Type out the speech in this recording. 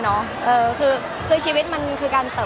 มันเป็นเรื่องน่ารักที่เวลาเจอกันเราต้องแซวอะไรอย่างเงี้ย